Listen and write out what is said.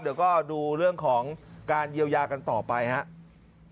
เดี๋ยวก็ดูเรื่องของการเยียวยากันต่อไปครับ